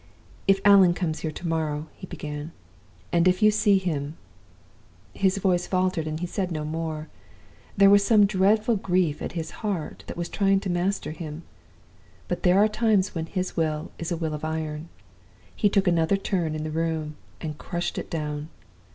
"'If Allan comes here to morrow,' he began, 'and if you see him ' "His voice faltered, and he said no more. There was some dreadful grief at his heart that was trying to master him. But there are times when his will is a will of iron. He took another turn in the room, and crushed it down.